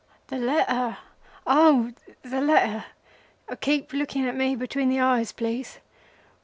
"The letter?—Oh! — The letter! Keep looking at me between the eyes, please.